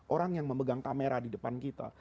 orang yang memegang kamera di depan kita